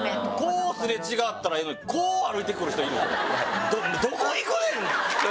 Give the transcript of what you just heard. こうすれ違ったらええのにこう歩いてくる人いるんですよ。